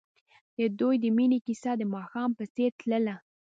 د دوی د مینې کیسه د ماښام په څېر تلله.